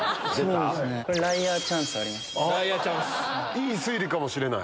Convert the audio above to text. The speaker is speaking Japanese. いい推理かもしれない！